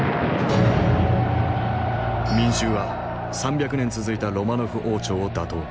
民衆は３００年続いたロマノフ王朝を打倒。